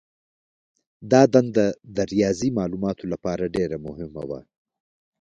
دا دنده د ریاضي مالوماتو لپاره ډېره مهمه وه.